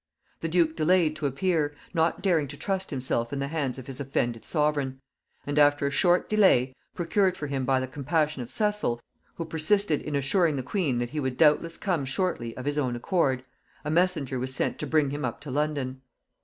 The duke delayed to appear, not daring to trust himself in the hands of his offended sovereign; and after a short delay, procured for him by the compassion of Cecil, who persisted in assuring the queen that he would doubtless come shortly of his own accord, a messenger was sent to bring him up to London.